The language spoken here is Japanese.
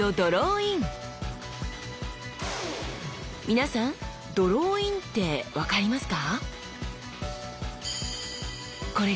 皆さん「ドローイン」って分かりますか？